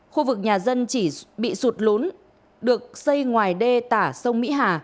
khu vực nhà dân chỉ bị sụt lún được xây ngoài đê tả sông mỹ hà